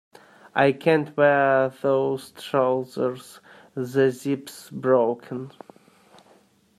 I can't wear those trousers; the zip’s broken